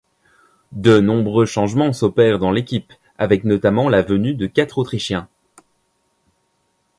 De nombreux changements s'opèrent dans l'équipe, avec notamment la venue de quatre Autrichiens.